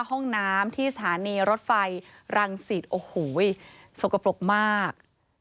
ห้องน้ำที่สถานีรถไฟรังสิตโอ้โหสกปรกมาก